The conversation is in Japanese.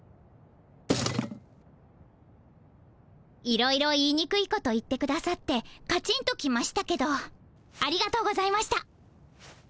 いろいろ言いにくいこと言ってくださってカチンときましたけどありがとうございました。